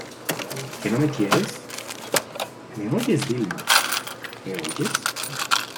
que no me quieres! ¿ me oyes, Vilma? ¿ me oyes ?